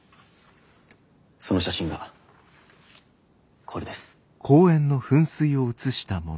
その写真がこれです。